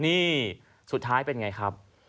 นี่สุดท้ายเป็นไงครับ